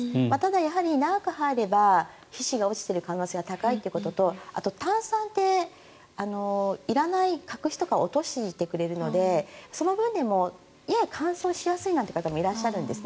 ただ、長く入ると皮脂が落ちている可能性が高いのとあと、炭酸っていらない角質とか落としてくれるのでその分でもやはり乾燥しやすいという方がいらっしゃるんですね。